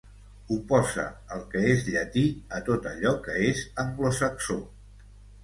Oposa el que és llati a tot allò que és anglosaxó.